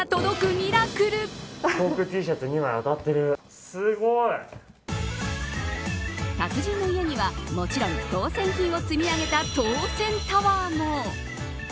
ミラクル達人の家にはもちろん当選品を積み上げた当選タワーも。